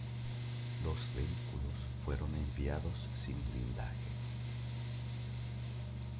Los vehículos fueron enviados sin blindaje.